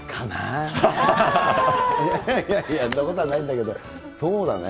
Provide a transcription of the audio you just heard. いやいやいや、そんなことはないんだけど、そうだね。